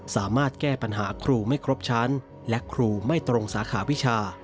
สามารถแก้ปัญหาครูไม่ครบชั้นและครูไม่ตรงสาขาวิชา